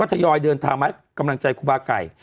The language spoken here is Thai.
ทยอยเดินทางมาให้กำลังใจครูบาไก่